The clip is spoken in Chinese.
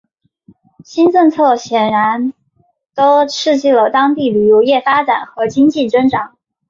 新政策显着地刺激了当地旅游业发展和经济增长。